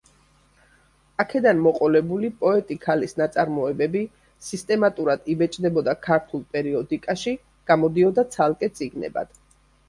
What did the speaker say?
აქედან მოყოლებული პოეტი ქალის ნაწარმოებები სისტემატურად იბეჭდებოდა ქართულ პერიოდიკაში, გამოდიოდა ცალკე წიგნებად.